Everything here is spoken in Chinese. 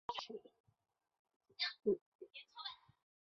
福州大学城位于福建省福州市闽侯县上街镇。